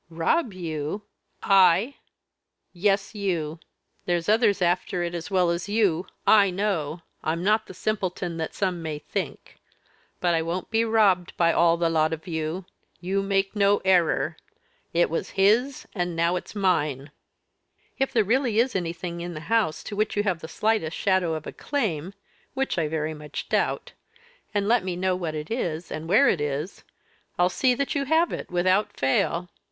"Rob you? I." "Yes, you. There's others after it as well as you I know! I'm not the simpleton that some may think. But I won't be robbed by all the lot of you you make no error. It was his, and now it's mine." "If there really is anything in the house to which you have the slightest shadow of a claim, which I very much doubt, and let me know what it is, and where it is, I'll see that you have it without fail."